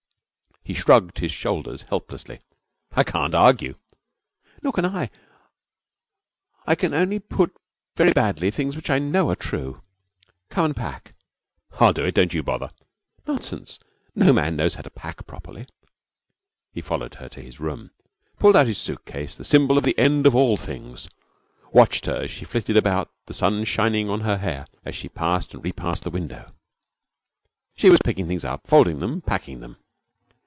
He shrugged his shoulders helplessly. 'I can't argue.' 'Nor can I. I can only put very badly things which I know are true. Come and pack.' 'I'll do it. Don't you bother.' 'Nonsense! No man knows how to pack properly.' He followed her to his room, pulled out his suitcase, the symbol of the end of all things, watched her as she flitted about, the sun shining on her hair as she passed and repassed the window. She was picking things up, folding them, packing them.